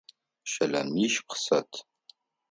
Щэлэмищ къысэт!